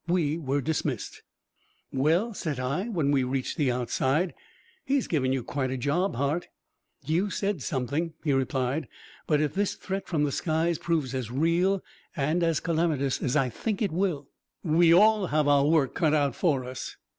We were dismissed. "Well," said I, when we reached the outside, "he has given you quite a job, Hart!" "You said something," he replied. "But, if this threat from the skies proves as real and as calamitous as I think it will, we all have our work cut out for us."